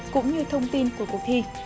cũng như thông tin của cuộc thi